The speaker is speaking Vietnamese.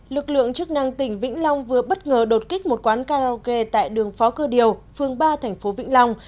lực lượng chức năng tỉnh vĩnh long vừa bất ngờ đột kích một quán karaoke tại đường phó cơ điều phương ba thành phố vĩnh long